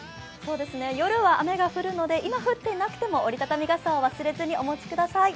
夜は雨が降るので、今降っていなくても折り畳み傘を忘れずにお持ちください。